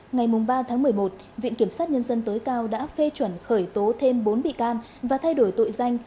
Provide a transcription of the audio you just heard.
ngày ba một mươi một viện kiểm sát nhân dân tối cao đã phê chuẩn khởi tố thêm bốn bị can và thay đổi tội danh